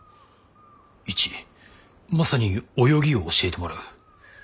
１マサに泳ぎを教えてもらう。